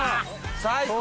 最高。